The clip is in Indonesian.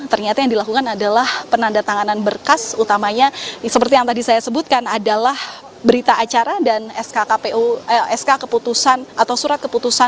ternyata yang dilakukan adalah penanda tanganan berkas utamanya seperti yang tadi saya sebutkan adalah berita acara dan sk keputusan atau surat keputusan